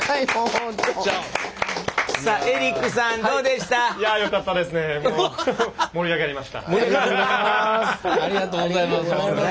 本当にね。ありがとうございます。